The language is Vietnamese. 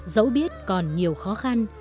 dẫu biết còn nhiều khó khăn